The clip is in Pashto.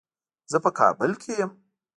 زه په کابل کې یم.